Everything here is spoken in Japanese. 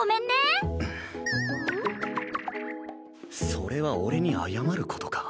それは俺に謝ることか？